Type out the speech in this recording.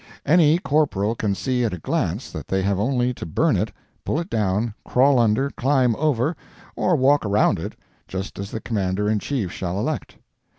Any corporal can see at a glance that they have only to burn it, pull it down, crawl under, climb over, or walk around it, just as the commander in chief shall elect.